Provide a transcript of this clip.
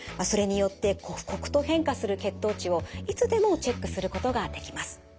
それによって刻々と変化する血糖値をいつでもチェックすることができます。